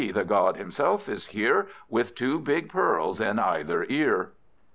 the God himself is here, With two big pearls in either ear."